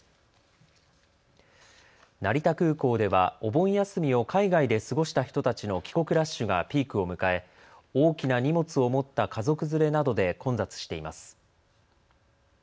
成田空港ではお盆休みを海外で過ごした人たちの帰国ラッシュがピークを迎え大きな荷物を持った家族連れなどで混雑しています。